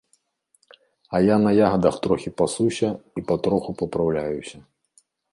А я на ягадах трохі пасуся і патроху папраўляюся.